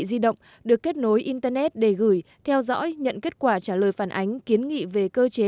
di động được kết nối internet để gửi theo dõi nhận kết quả trả lời phản ánh kiến nghị về cơ chế